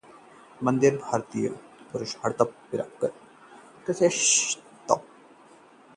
मंदिरा ने भारतीय पुरुषों को कहा-डरपोक, दी ये हिदायत